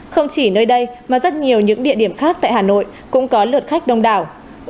không chỉ nơi đây mà rất nhiều những địa điểm khác tại hà nội cũng có lượt khách đông đảo